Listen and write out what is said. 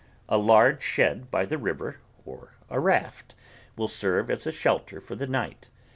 A large shed by the river, or a raft, will serve as a shelter for the night.